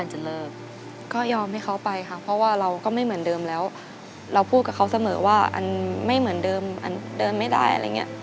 เหมือนว่าอันไม่เหมือนเดิมอันเดิมไม่ได้อะไรอย่างนี้